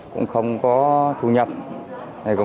cũng không có thu nhập được